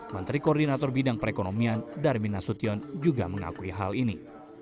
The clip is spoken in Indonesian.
menteri koordinator bidang perekonomian darmin nasution juga mengakui hal ini